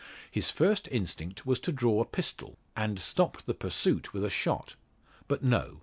His first instinct was to draw a pistol, and stop the pursuit with a shot. But no.